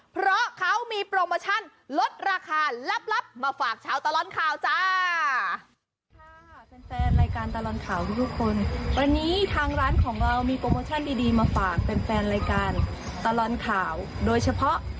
เพราะเขามีโปรโมชั่นลดราคาลับมาฝากชาวตลอดข่าวจ้า